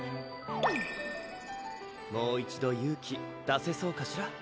もう一度勇気出せそうかしら？